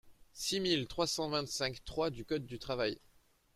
six mille trois cent vingt-cinq-trois du code du travail.